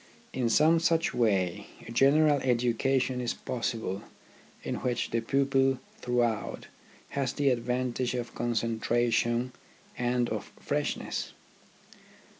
In some such way a general educa tion is possible in which the pupil throughout has the advantage of concentration and of freshness.